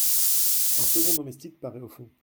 Un second domestique paraît au fond.